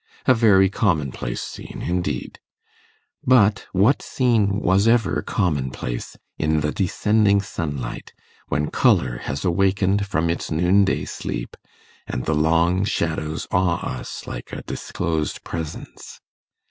A very commonplace scene, indeed. But what scene was ever commonplace in the descending sunlight, when colour has awakened from its noonday sleep, and the long shadows awe us like a disclosed presence?